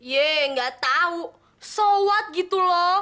ye nggak tau sowat gitu lo